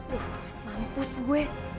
wuh mampus gue